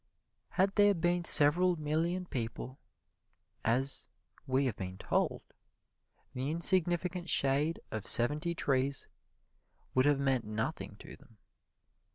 Had there been several million people, as we have been told, the insignificant shade of seventy trees would have meant nothing to them.